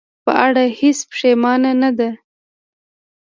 په اړه هېڅ پښېمانه نه ده.